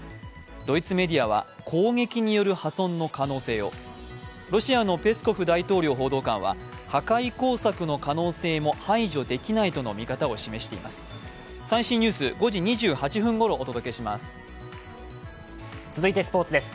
ドイツメディアは攻撃による破損の可能性を、ロシアのペスコフ大統領報道官は破壊工作によるものだとの見方を示しています。